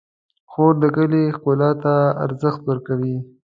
خور د کلي ښکلا ته ارزښت ورکوي.